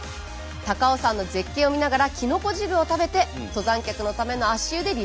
高尾山の絶景を見ながらきのこ汁を食べて登山客のための足湯でリラックス。